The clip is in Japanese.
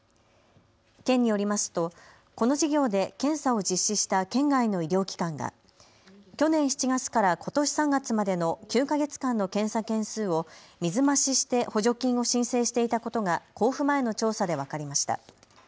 県によりますとこの事業で検査を実施した県外の医療機関が去年７月からことし３月までの９か月間の検査件数を水増しして補助金を申請していたことが交付前の調査で分かりました。